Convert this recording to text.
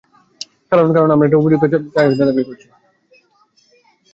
কারণ-- কারণ আমরা একটা উপযুক্ত সারোগেট চেয়েছিলাম।